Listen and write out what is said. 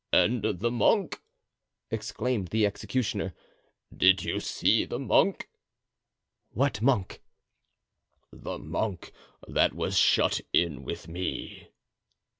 "And the monk?" exclaimed the executioner, "did you see the monk?" "What monk?" "The monk that was shut in with me."